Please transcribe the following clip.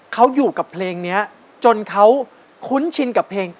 เขาอยู่กับเพลงนี้จนเขาคุ้นชินกับเพลง